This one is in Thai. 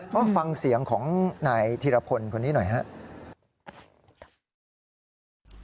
ก็ฟังเสียงของนายธีรพลคนนี้หน่อยครับ